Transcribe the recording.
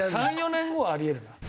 ３４年後はあり得えるな。